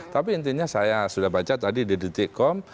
tapi intinya saya sudah baca tadi di detikkom